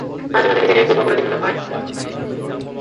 মাঝে মাঝে নিজেকে খুব অপরাধী মনে হয়, যখন মায়ের ক্লান্ত মুখখানি দেখি।